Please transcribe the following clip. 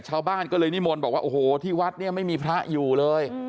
ชาวบ้านก็เลยนิมนต์บอกว่าโอ้โหที่วัดเนี่ยไม่มีพระอยู่เลย